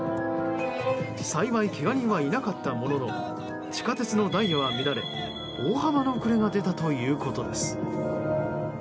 幸い、けが人はいなかったものの地下鉄のダイヤは乱れ大幅な遅れが出たということです。